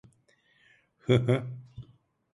Hıhı.